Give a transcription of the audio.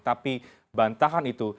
tapi bantahan itu